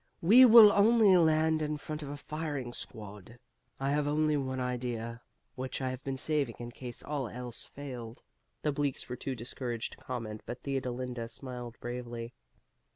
We will only land in front of a firing squad. I have only one idea, which I have been saving in case all else failed." The Bleaks were too discouraged to comment, but Theodolinda smiled bravely.